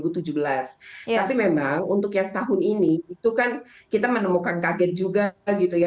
tapi memang untuk yang tahun ini itu kan kita menemukan kaget juga gitu ya